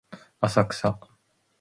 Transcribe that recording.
浅草